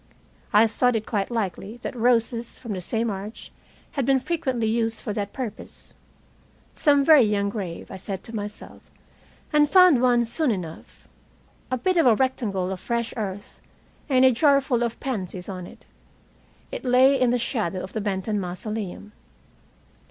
I thought it quite likely that roses from the same arch had been frequently used for that purpose. Some very young grave, I said to myself, and found one soon enough, a bit of a rectangle of fresh earth, and a jarful of pansies on it. It lay in the shadow of the Benton mausoleum.